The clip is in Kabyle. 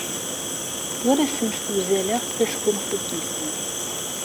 Ur asen-ssewzaleɣ tasgunfut-nsen.